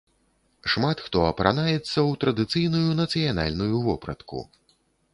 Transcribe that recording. Шмат хто апранаецца ў традыцыйную нацыянальную вопратку.